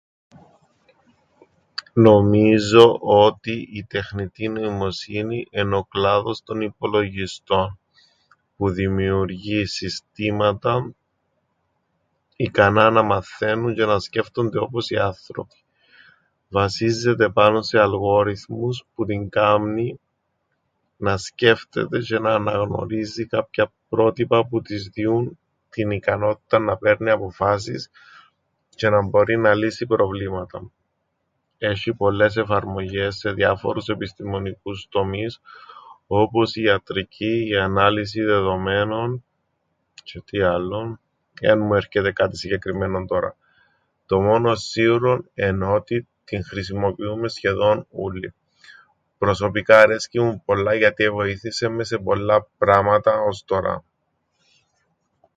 Νομίζω ότι η τεχνητή νοημοσύνη εν' ο κλάδος των υπολογιστών που δημιουργεί συστήματα ικανά να μαθαίννουν τζ̆αι να σκέφτονται όπως οι άνθρωποι. Βασίζεται πάνω σε αλγόριθμους που την κάμνει να σκέφτεται τζ̆αι να αναγνωρίζει κάποια πρότυπα που της διούν την ικανότηταν να παίρνει αποφάσεις τζ̆αι να μπορεί να λύσει προβλήματα. Έσ̆ει πολλές εφαρμογές σε διάφορους επιστημονικούς τομείς, όπως η ιατρική, η ανάλυση δεδομένων, τζ̆αι τι άλλον; Εν μου έρκεται κάτι συγκεκριμμένον τωρά. Το μόνον σίουρον εν' ότι την χρησιμοποιούμεν σχεδόν ούλλοι. Προσωπικά αρέσκει μου πολλά γιατί εβοήθησεν με σε πολλά πράματα ώς τωρά.